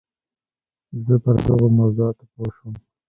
زه پر دغو موضوعاتو پوه شوم.